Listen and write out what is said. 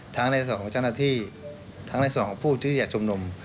ในส่วนของเจ้าหน้าที่ทั้งในส่วนของผู้ที่จะชุมนุม